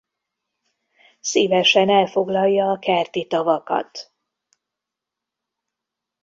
Szívesen elfoglalja a kerti tavakat.